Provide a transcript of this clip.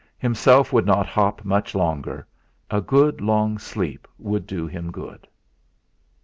Himself would not hop much longer a good long sleep would do him good!